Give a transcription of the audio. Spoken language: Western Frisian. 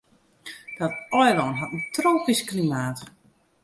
Dat eilân hat in tropysk klimaat.